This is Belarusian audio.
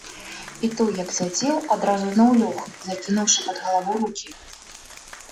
І той, як сядзеў, адразу зноў лёг, закінуўшы пад галаву рукі.